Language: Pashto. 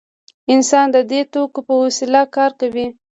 انسان د دې توکو په وسیله کار کوي.